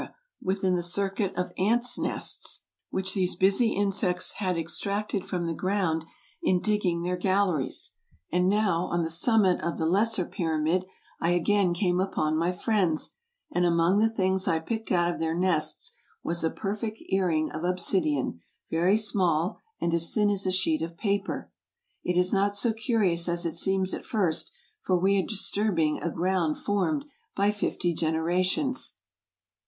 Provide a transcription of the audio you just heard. within the circuit of ants' nests, which these busy insects had extracted from the ground in digging their AMERICA 99 galleries; and now on the summit of the lesser pyramid I again came upon my friends, and among the things I picked out of their nests was a perfect earring of obsidian, very small, and as thin as a sheet of paper. It is not so curious as it seems at first, for we are disturbing a ground formed by fifty generations.